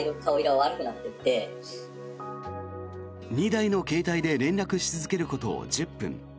２台の携帯で連絡し続けること１０分。